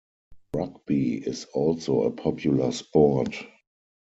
Rugby is also a popular sport.